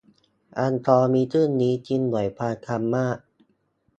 อัลกอริทึมนี้กินหน่วยความจำมาก